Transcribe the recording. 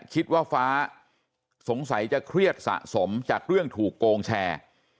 ฟ้าสงสัยจะเครียดสะสมจากเรื่องถูกโกงแชร์